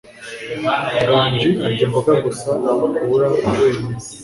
nganji arya imboga gusa akura wenyine